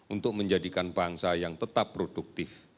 untuk menjadikan bangsa yang tetap produktif